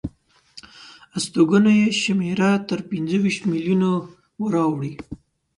استوګنو یې شمېره تر پنځه ویشت میلیونو وراوړي.